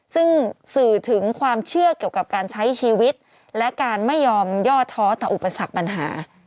ซึ่งสื่อถึงความเชื่อเกี่ยวกับการใช้ชีวิตและการไม่ยอมย่อท้อต่ออุปสรรคปัญหา